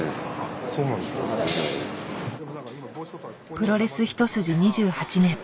プロレス一筋２８年。